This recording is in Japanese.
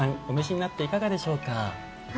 お召しになっていかがでしょうか。